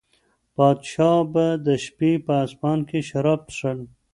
پادشاه به د شپې په اصفهان کې شراب څښل.